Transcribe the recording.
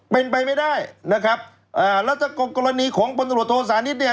เป็นไปไม่ได้นะครับอ่าแล้วถ้ากรณีของพลตรวจโทษานิทเนี่ย